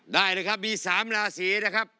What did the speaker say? ได้เลยครับมี๓ราศีนะครับ